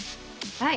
はい。